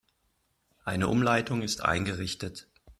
Eine Umleitung ist eingerichtet.